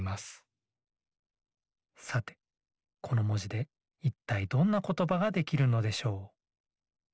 さてこのもじでいったいどんなことばができるのでしょう？